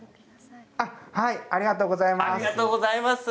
ありがとうございます。